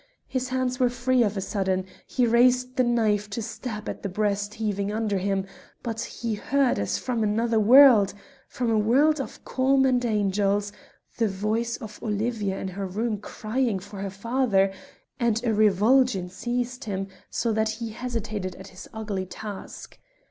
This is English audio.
His hands were free of a sudden; he raised the knife to stab at the breast heaving under him, but he heard as from another world as from a world of calm and angels the voice of Olivia in her room crying for her father, and a revulsion seized him, so that he hesitated at his ugly task.